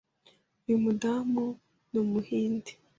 Uyu mudamu ni Umuhinde.